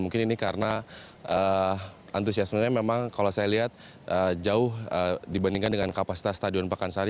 mungkin ini karena antusiasmenya memang kalau saya lihat jauh dibandingkan dengan kapasitas stadion pakansari